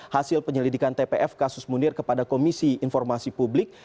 hasil penyelidikan tpf kasus munir kepada komisi informasi publik